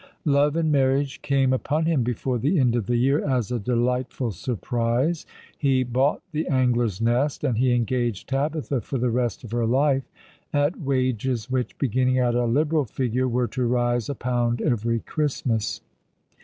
Love and marriage came upon him before the end of the year, as a delightful surprise. He bought the Angler's Nest, and he engaged Tabitha for the rest of her life, at wages which, beginning at a liberal figure, were to rise a pound every Christmas.